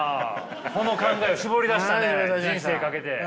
この考え絞り出したね人生かけて。